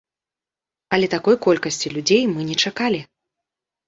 Але такой колькасці людзей мы не чакалі.